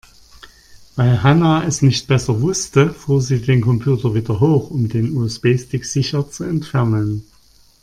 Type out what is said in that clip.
Weil Hanna es nicht besser wusste, fuhr sie den Computer wieder hoch, um den USB-Stick sicher zu entfernen.